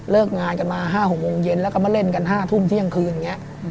งานกันมา๕๖โมงเย็นแล้วก็มาเล่นกัน๕ทุ่มเที่ยงคืนอย่างนี้